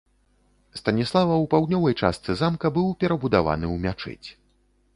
Станіслава ў паўднёвай частцы замка быў перабудаваны ў мячэць.